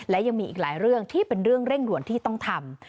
และยังมีอีกหลายเรื่องที่เป็นเรื่องเร่งด่วนที่ต้องทำ